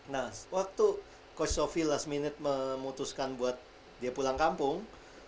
nah waktu coach shofie last minute memutuskan buat dia pulang kampung